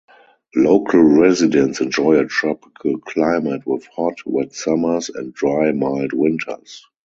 Local residents enjoy a tropical climate with hot, wet summers and dry, mild winters.